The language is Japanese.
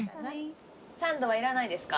サンドはいらないですか？